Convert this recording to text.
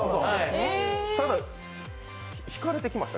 ただひかれてきました？